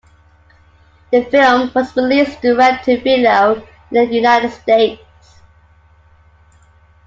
The film was released direct-to-video in the United States.